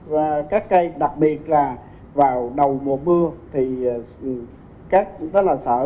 và các cây đặc biệt là vào đầu mùa mưa thì các đó là sở